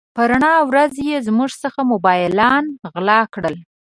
په رڼا ورځ يې زموږ څخه موبایلونه غلا کړل.